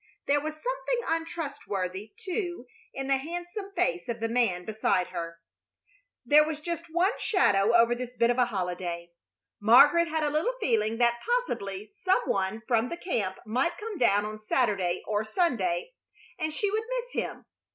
There was something untrustworthy, too, in the handsome face of the man beside her. There was just one shadow over this bit of a holiday. Margaret had a little feeling that possibly some one from the camp might come down on Saturday or Sunday, and she would miss him.